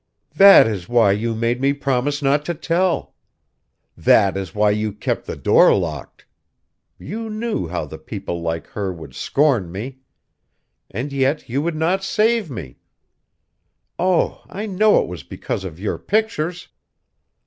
That is why you made me promise not to tell; that is why you kept the door locked! You knew how the people like her would scorn me! and yet you would not save me! Oh! I know it was because of your pictures!